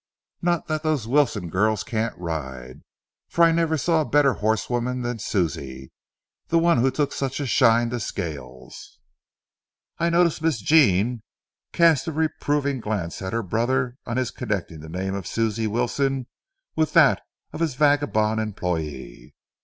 Not that those Wilson girls can't ride, for I never saw a better horsewoman than Susie—the one who took such a shine to Scales." I noticed Miss Jean cast a reproving glance at her brother on his connecting the name of Susie Wilson with that of his vagabond employee.